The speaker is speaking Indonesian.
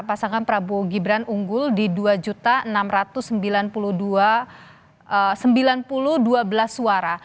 pasangan prabowo gibran unggul di dua enam ratus sembilan puluh dua sembilan puluh dua belas suara